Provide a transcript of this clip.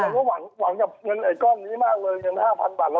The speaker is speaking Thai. เราก็หวังกับเงินไอ้ก้อนนี้มากเลยเงิน๕๐๐๐บาทเราก็รอมาตลอด